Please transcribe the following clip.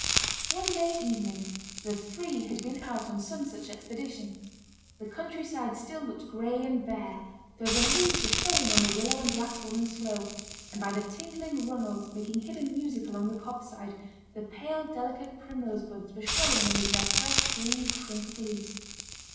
One May evening the three had been out on some such expedition; the country side still looked gray and bare, though the leaves were showing on the willow and blackthorn and sloe, and by the tinkling runnels, making hidden music along the copse side, the pale delicate primrose buds were showing amid their fresh, green, crinkled leaves.